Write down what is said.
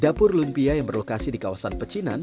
dapur lumpia yang berlokasi di kawasan pecinan